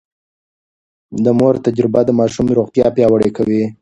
د مور تجربه د ماشوم روغتيا پياوړې کوي.